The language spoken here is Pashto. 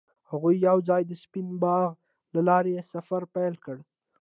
هغوی یوځای د سپین باغ له لارې سفر پیل کړ.